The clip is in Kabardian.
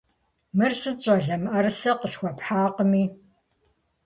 Мыр сыт, щӀалэ, мыӀэрысэ къысхуэпхьакъыми?